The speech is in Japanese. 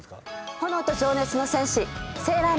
炎と情熱の戦士セーラーマーズ！